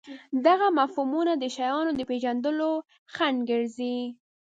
دغه مفهومونه د شیانو د پېژندلو خنډ ګرځي.